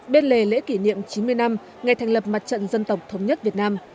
bên lề lễ kỷ niệm chín mươi năm ngày thành lập mặt trận dân tộc thống nhất việt nam